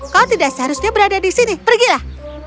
kau tidak seharusnya berada di sini pergilah